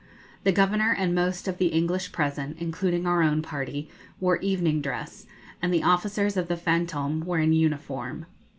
The Governor and most of the English present, including our own party, wore evening dress, and the officers of the 'Fantôme' were in uniform.